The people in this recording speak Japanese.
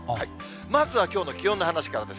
まずはきょうの気温の話からです。